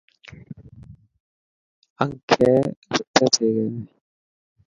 انکي رتي ٿي گئي.